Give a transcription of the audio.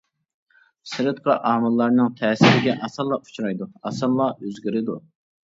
سىرتقى ئامىللارنىڭ تەسىرىگە ئاسانلا ئۇچرايدۇ، ئاسانلا ئۆزگىرىدۇ.